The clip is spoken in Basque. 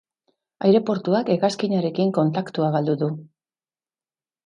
Aireportuak hegazkinarekin kontaktua galdu du.